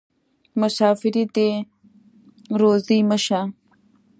مسافري دې روزي مه شه.